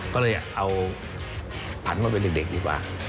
ก็เลยเอาผันมาเป็นเด็กดีกว่า